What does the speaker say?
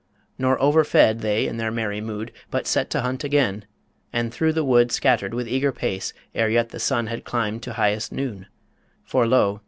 Nor over fed they in their merry mood, But set to hunt again, and through the wood Scattered with eager pace, ere yet the sun Had climbed to highest noon; for lo!